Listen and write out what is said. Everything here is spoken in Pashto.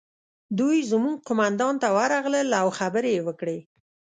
دوی زموږ قومندان ته ورغلل او خبرې یې وکړې